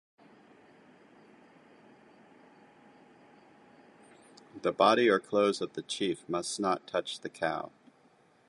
The body or clothes of the chief must not touch the cow.